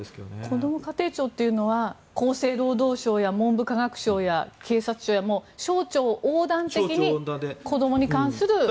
こども家庭庁というのは厚生労働省や文部科学省や警察庁や省庁横断的に子どもに関する。